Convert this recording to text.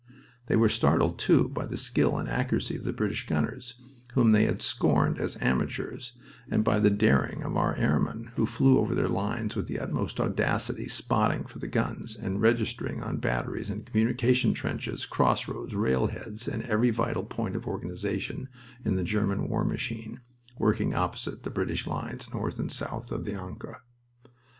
They were startled, too, by the skill and accuracy of the British gunners, whom they had scorned as "amateurs," and by the daring of our airmen, who flew over their lines with the utmost audacity, "spotting" for the guns, and registering on batteries, communication trenches, crossroads, rail heads, and every vital point of organization in the German war machine working opposite the British lines north and south of the Ancre.